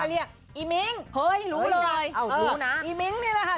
เรียกอีมิ้งเฮ้ยรู้เลยรู้นะอีมิ้งนี่แหละค่ะ